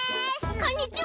こんにちは！